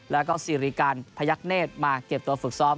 แล้วก็สิริกันพยักเนธมาเก็บตัวฝึกซ้อม